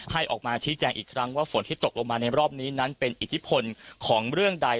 ออกมาชี้แจงอีกครั้งว่าฝนที่ตกลงมาในรอบนี้นั้นเป็นอิทธิพลของเรื่องใด